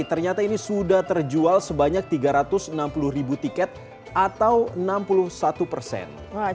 ternyata ini sudah terjual sebanyak tiga ratus enam puluh ribu tiket atau enam puluh satu persen